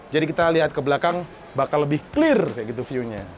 jadi kita lihat ke belakang bakal lebih clear kayak gitu viewnya